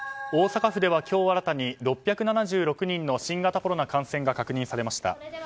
大阪府では今日新たに６７６人の新型コロナ感染が確認されました。